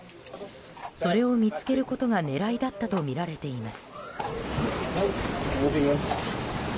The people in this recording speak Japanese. それを見つけることが狙いだったとみられています。